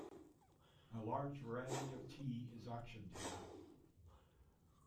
A large variety of tea is auctioned here.